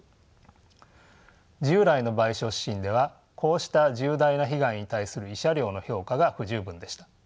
従来の賠償指針ではこうした重大な被害に対する慰謝料の評価が不十分でした。